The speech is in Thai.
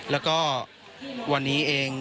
แล้วก็วันนี้เอง